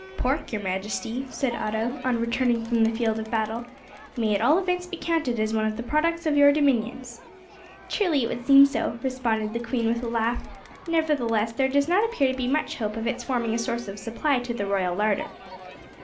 "Pork, your Majesty," said Otto, on returning from the field of battle, "may at all events be counted as one of the products of your dominions." "Truly it would seem so," responded the Queen, with a laugh; "nevertheless there does not appear to be much hope of its forming a source of supply to the royal larder."